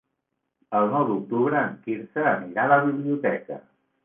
El nou d'octubre en Quirze anirà a la biblioteca.